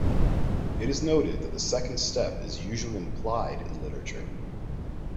It is noted that the second step is usually implied in literature.